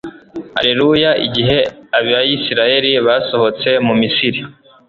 alleluya! igihe abayisraheli basohotse mu misiri